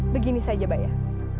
begini saja bayah